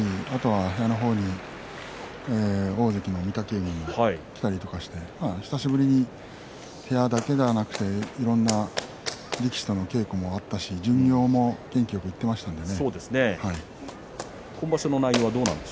部屋の高田川部屋に行ったり部屋の方に大関の御嶽海が来たりとか久しぶりに部屋だけではなくていろんな力士との経験もあったし巡業も元気よく行っていましたので。